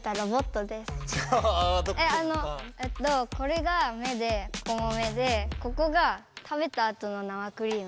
えっとこれが目でここも目でここが食べたあとの生クリーム。